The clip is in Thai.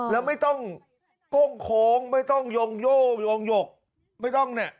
แล้วไม่ต้องโก้งโค้งไม่ต้องโยงโย่งยงหยกไม่ต้องเนี่ย